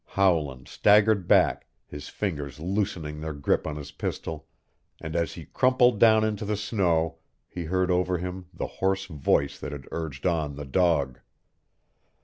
Howland staggered back, his fingers loosening their grip on his pistol, and as he crumpled down into the snow he heard over him the hoarse voice that had urged on the dog.